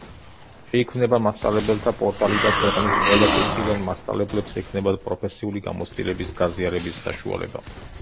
შეიქმნება მასწავლებელთა პორტალი და ქვეყნის ყველა კუთხიდან მასწავლებლებს ექნებათ პროფესიული გამოცდილების გაზიარების საშუალება.